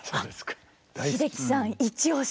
英樹さんイチ推し。